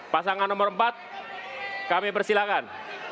pasangan nomor empat kami persilakan